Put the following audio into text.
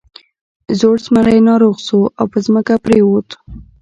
زوړ زمری ناروغ شو او په ځمکه پریوت.